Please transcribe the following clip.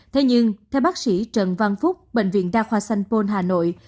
thế nhưng theo bác sĩ trần văn phúc bệnh viện đa khoa sanh pôn hà nội